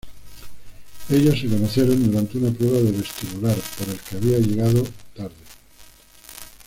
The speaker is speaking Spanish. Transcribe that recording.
Ellos se conocieron durante una prueba de vestibular, por el que había llegado tarde.